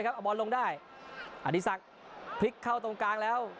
ด้วยครับเอาบอลลงได้อดิสักพลิกเข้าตรงกลางแล้ว